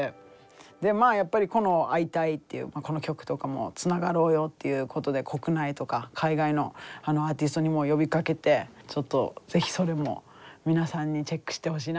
この「アイタイ！」っていうこの曲とかもつながろうよっていうことで国内とか海外のアーティストにも呼びかけてちょっとぜひそれも皆さんにチェックしてほしいなと思います。